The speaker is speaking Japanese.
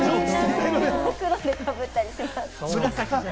黒でかぶったりします。